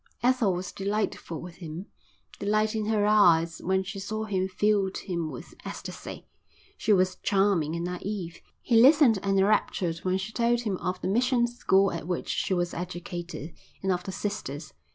Ethel was delightful with him. The light in her eyes when she saw him filled him with ecstasy. She was charming and naïve. He listened enraptured when she told him of the mission school at which she was educated, and of the sisters.